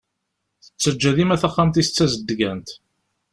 Tettaǧǧa dima taxxamt-is d tazeddgant.